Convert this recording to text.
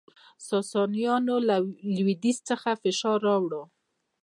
ساسانیانو له لویدیځ څخه فشار راوړ